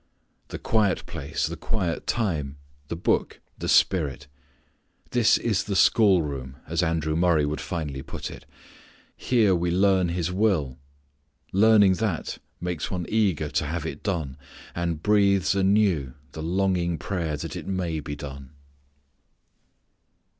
The quiet place, the quiet time, the Book, the Spirit this is the schoolroom as Andrew Murray would finely put it. Here we learn His will. Learning that makes one eager to have it done, and breathes anew the longing prayer that it may be done.